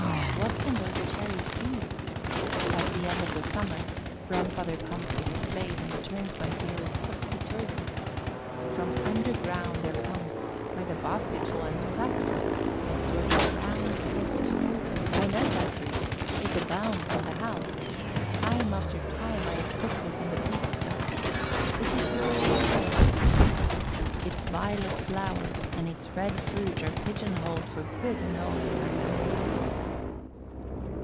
What can those cherries be? At the end of the summer, grandfather comes with a spade and turns my field topsy turvy. From underground there comes, by the basketful and sackful, a sort of round root. I know that root; it abounds in the house; time after time I have cooked it in the peat stove. It is the potato. Its violet flower and its red fruit are pigeonholed for good and all in my memory.